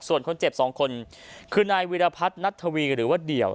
ส่วนคนเจ็บ๒คนคือนายวิรพัฒนัททวีหรือว่าเดี่ยว